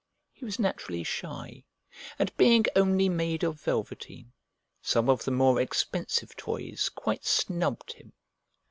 He was naturally shy, and being only made of velveteen, some of the more expensive toys quite snubbed him.